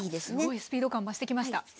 すごいスピード感増してきました。